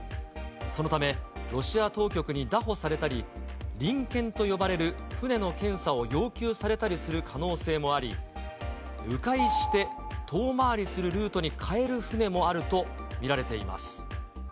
そのため、ロシア当局に拿捕されたり、臨検と呼ばれる船の検査を要求されたりする可能性もあり、う回して遠回りするルートに変える船もあると見られています。